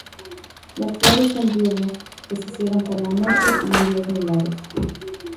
Las flores son diurnas, que se cierran por la noche y en días nublados.